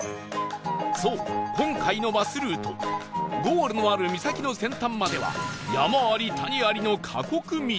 そう今回のバスルートゴールのある岬の先端までは山あり谷ありの過酷道